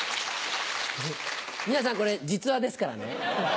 皆さんこれ実話ですからね。